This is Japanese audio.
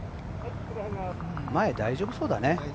前、大丈夫そうだね。